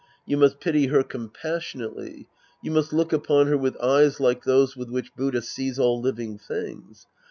You must pity her compassionately. You must look upon her with eyes like those with which Buddha sees all living things.